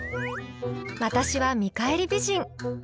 私は「見返り美人」。